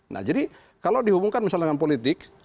nah jadi kalau dihubungkan misalnya dengan politik